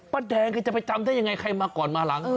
แดงแกจะไปจำได้ยังไงใครมาก่อนมาหลัง